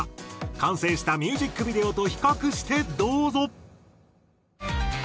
完成したミュージックビデオと比較してどうぞ。